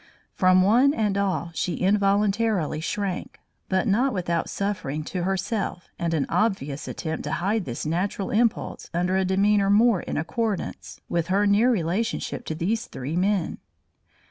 From one and all she involuntarily shrank, but not without suffering to herself and an obvious attempt to hide this natural impulse under a demeanour more in accordance with her near relationship to these three men.